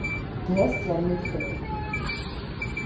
Der ist ja mickrig!